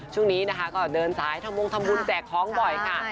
ช่วงนี้นะคะก็เดินสายทำวงทำบุญแจกของบ่อยค่ะ